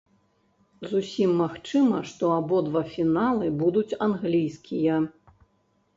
Зусім магчыма, што абодва фіналы будуць англійскія.